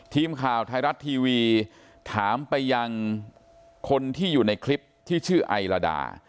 ทีมข่าวไทยรัฐทีวีถามไปยังคนที่อยู่ในคลิปที่ชื่อไอลาดา